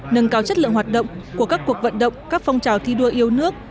nâng cao chất lượng hoạt động của các cuộc vận động các phong trào thi đua yêu nước